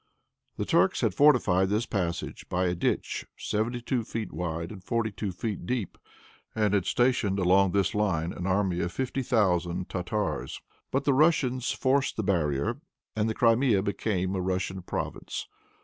The Turks had fortified this passage by a ditch seventy two feet wide, and forty two feet deep, and had stationed along this line an army of fifty thousand Tartars. But the Russians forced the barrier, and the Crimea became a Russian province.